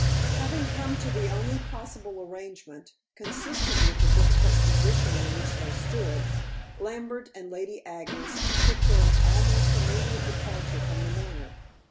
Having come to the only possible arrangement, consistent with the difficult position in which they stood, Lambert and Lady Agnes took their almost immediate departure from The Manor.